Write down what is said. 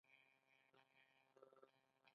ما ورته وویل: کرار او احتیاط کوئ، چې زه و نه غورځېږم.